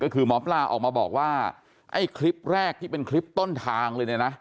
ก็คือหมอปลาออกมาบอกว่าไอ้คลิปแรกที่เป็นคลิปต้นทางเลยเนี่ยนะ